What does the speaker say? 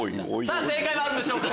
さぁ正解はあるんでしょうか？